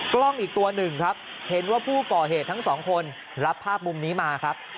กล้องอีกตัวหนึ่งครับเห็นว่าผู้ก่อเหตุทั้งสองคนรับภาพมุมนี้มาครับ